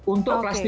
untuk kelas tiga